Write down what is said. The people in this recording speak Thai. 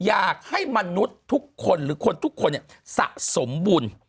อยากให้มนุษย์ทุกคนหรือคนทุกคนสะสมบุญ